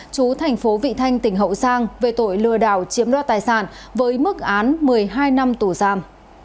chú thành phố vị thanh tỉnh hậu giang về tội lừa đảo chiếm đoạt tài sản với mức án một mươi hai năm tù giam